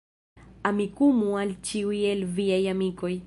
Amikumu al ĉiuj el viaj amikoj